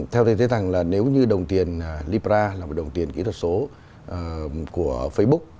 theo tôi thấy rằng là nếu như đồng tiền libra là một đồng tiền kỹ thuật số của facebook